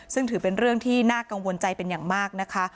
ซึ่งถือเป็นเรื่องที่น่ากังวลใจเป็นอย่างมากนะคะ